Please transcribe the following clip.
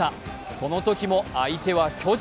そのときも相手は巨人。